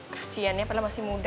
kasian ya padahal masih muda